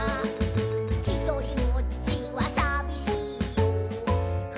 「ひとりぼっちはさびしいよ」